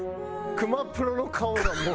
熊プロの顔がもう。